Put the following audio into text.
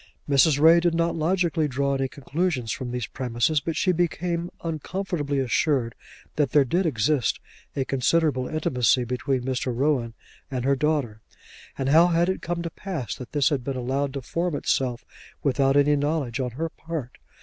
Mrs. Ray did not logically draw any conclusion from these premises, but she became uncomfortably assured that there did exist a considerable intimacy between Mr. Rowan and her daughter. And how had it come to pass that this had been allowed to form itself without any knowledge on her part?